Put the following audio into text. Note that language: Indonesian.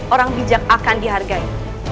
orang bijak akan dihargai